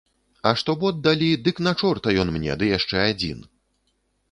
А што бот далі, дык на чорта ён мне, ды яшчэ адзін!